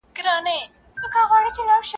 زه سبا سبا کومه لا منلي مي وعدې دي !.